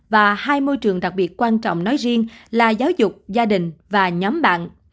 và hai môi trường đặc biệt quan trọng nói riêng là giáo dục gia đình và nhóm bạn